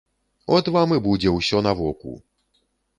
От вам і будзе ўсё на воку.